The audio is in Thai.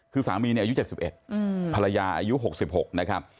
คือสามีเนี่ยอายุ๗๑ภรรยาอายุ๖๖นะครับ